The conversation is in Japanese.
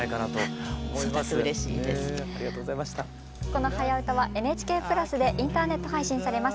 この「はやウタ」はＮＨＫプラスでインターネット配信されます。